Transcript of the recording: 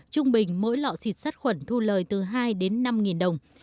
trung bình mỗi lọ xịt sát khuẩn thu lời từ hai đến năm đồng